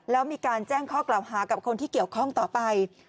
แล้วมีการแจ้งข้อกล่าวหากับคนที่เกี่ยวข้องต่อไป